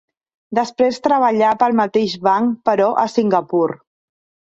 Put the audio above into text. Després treballà pel mateix banc però a Singapur.